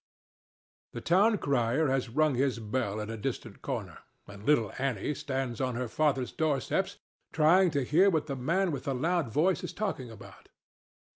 The town crier has rung his bell at a distant corner, and little Annie stands on her father's doorsteps trying to hear what the man with the loud voice is talking about.